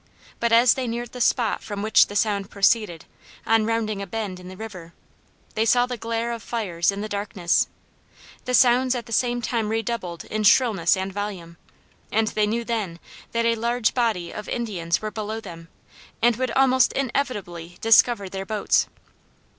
But as they neared the spot from which the sound proceeded, on rounding a bend in the river, they saw the glare of fires in the darkness; the sounds at the same time redoubled in shrillness and volume, and they knew then that a large body of Indians were below them and would almost inevitably discover their boats.